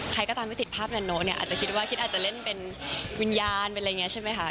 ตามที่ติดภาพนาโนเนี่ยอาจจะคิดว่าคิดอาจจะเล่นเป็นวิญญาณเป็นอะไรอย่างนี้ใช่ไหมคะ